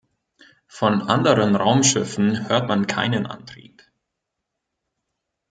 Von anderen Raumschiffen hört man keinen Antrieb.